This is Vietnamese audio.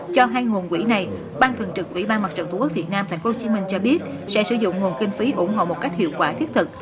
cho hai nguồn quỹ này bang thường trực quỹ bang mặt trận tq việt nam tp hcm cho biết sẽ sử dụng nguồn kinh phí ủng hộ một cách hiệu quả thiết thực